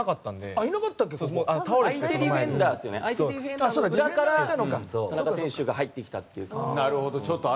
相手ディフェンダーの裏から田中選手が入ってきたっていう。